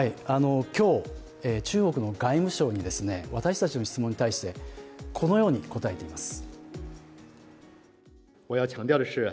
今日、中国の外務省私たちの質問に対してこのように答えています。